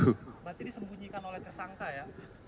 maksudnya ini sembunyikan oleh tersangka ya